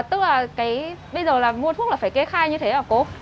tức là bây giờ mua thuốc là phải kê khai như thế hả cô